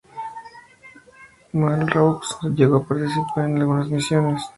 Malraux llegó a participar en algunas misiones.